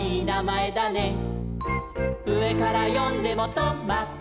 「うえからよんでもト・マ・ト」